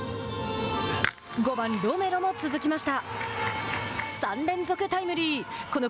５番ロメロも続きました。